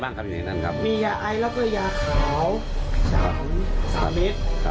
ของสถาบิทครับทั้งที่ว่าเราก็ยังไม่ได้แก่